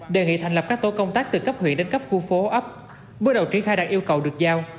đề nghị thành lập các tổ công tác từ cấp huyện đến cấp khu phố ấp bước đầu triển khai đạt yêu cầu được giao